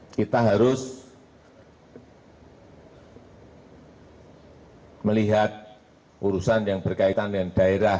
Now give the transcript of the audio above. kita harus melihat urusan yang berkaitan dengan daerah